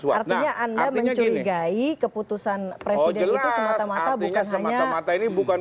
artinya anda mencurigai keputusan presiden itu semata mata bukan hanya